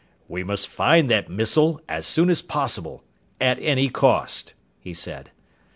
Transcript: "We must find that missile as soon as possible at any cost," he said.